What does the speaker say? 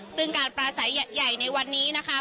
ซึ่งการปลาใสใหญ่ในวันนี้นะคะ